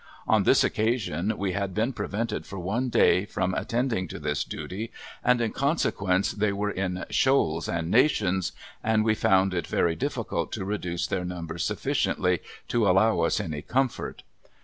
On this occasion we had been prevented for one day from attending to this duty and in consequence they were in "shoals and nations," and we found it very difficult to reduce their numbers sufficiently to allow us any comfort.